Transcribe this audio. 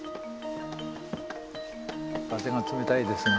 風が冷たいですが。